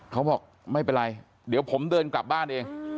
เขาบอกไม่เป็นไรเดี๋ยวผมเดินกลับบ้านเอง